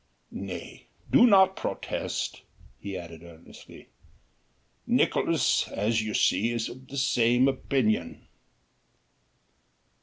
Nay! do not protest," he added earnestly, "Nicolaes, as you see, is of the same opinion."